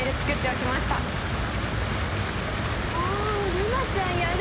瑠菜ちゃんやる！